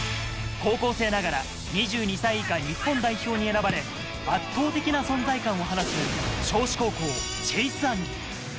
２２歳以下、日本代表に選ばれ圧倒的な存在感を放つ尚志高校、チェイス・アンリ。